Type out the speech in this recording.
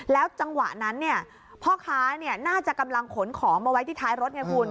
จังหวะนั้นพ่อค้าน่าจะกำลังขนของมาไว้ที่ท้ายรถไงคุณ